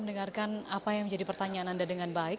mendengarkan apa yang menjadi pertanyaan anda dengan baik